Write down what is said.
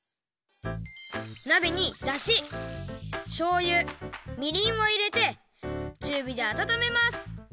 なべにだししょうゆみりんをいれてちゅうびであたためます。